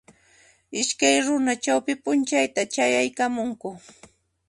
Iskay runa chawpi p'unchayta chayaykamunku